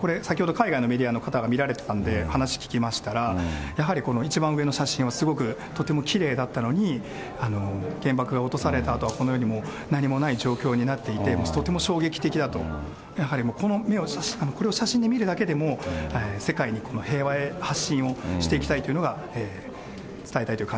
これ、先ほど海外のメディアの方が見られてたんで、話聞きましたら、やはりこの一番上の写真をすごくとてもきれいだったのに、原爆が落とされたあとは、このようにもう、何もない状況になっていて、とても衝撃的だと、やはりもうこれを写真で見るだけでもう、世界にこの平和の発信をしていきたいというのが伝えたいという感